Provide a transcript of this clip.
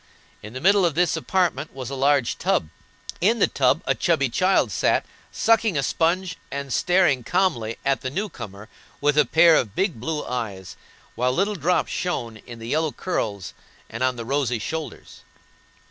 In the middle of this apartment was a large tub; in the tub a chubby child sat, sucking a sponge and staring calmly at the new comer with a pair of big blue eyes, while little drops shone in the yellow curls and on the rosy shoulders.